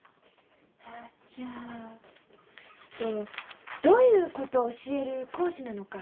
あじゃあどういうことを教える講師なのか。